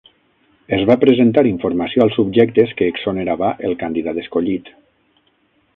Es va presentar informació als subjectes que exonerava el candidat escollit.